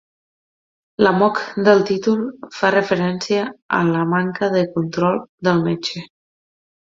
L'amok del títol fa referència a la manca de control del metge.